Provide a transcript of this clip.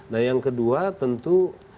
nah yang kedua tentu